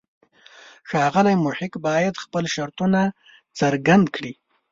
ښاغلی محق باید خپل شرطونه څرګند کړي.